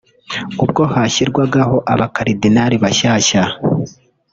ubwo hashyirwagaho abakaridinali bashyashya